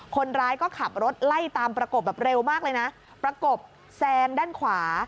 คนร้ายก็ขับรถไล่ตามประกบแบบเร็วมากเลยนะประกบแซงด้านขวา